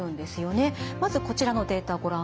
まずこちらのデータをご覧ください。